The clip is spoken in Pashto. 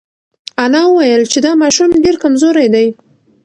انا وویل چې دا ماشوم ډېر کمزوری دی.